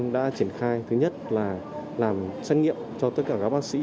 đã triển khai thứ nhất là làm xét nghiệm cho tất cả các bác sĩ